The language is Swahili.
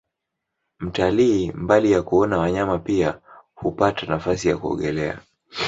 Mtalii mbali ya kuona wanyama pia huapata nafasi ya kuogelea